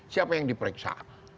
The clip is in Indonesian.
siapa yang diperiksa